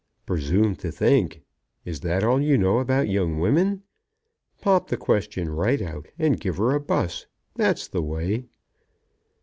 "Presume to think! Is that all you know about young women? Pop the question right out, and give her a buss. That's the way."